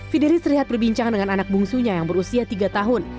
fidelis terlihat berbincang dengan anak bungsunya yang berusia tiga tahun